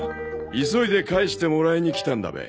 急いで返してもらいに来たんだべ。